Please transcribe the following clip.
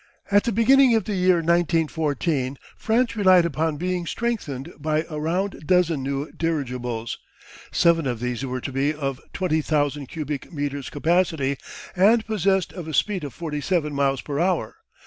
At the beginning of the year 1914 France relied upon being strengthened by a round dozen new dirigibles. Seven of these were to be of 20,000 cubic metres' capacity and possessed of a speed of 47 miles per hour.